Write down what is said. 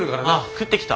食ってきた。